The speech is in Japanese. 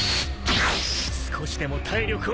少しでも体力を削る！